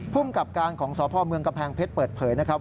ภูมิกับการของสพเมืองกำแพงเพชรเปิดเผยนะครับ